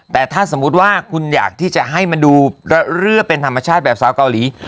แต่ถ้าสมมุติว่าคุณอยากที่จะให้มาดูเรื่อยเป็นธรรมชาติแบบสาวเกาหลี